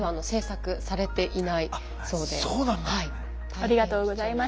ありがとうございます。